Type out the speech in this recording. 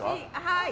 はい。